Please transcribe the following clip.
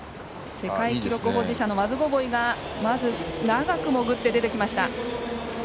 世界記録保持者のマズゴボイがまず長く潜って、出てきました。